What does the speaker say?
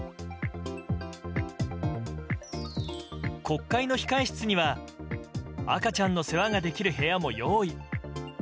国会の控室には赤ちゃんの世話ができる部屋も用意。